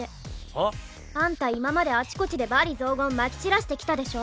はっ？あんた今まであちこちで罵詈雑言まき散らしてきたでしょ？